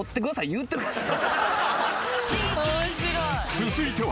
［続いては］